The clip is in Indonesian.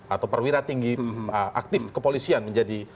atau perwira tinggi aktif kepolisian menjadi